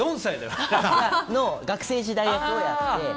その学生時代役をやって。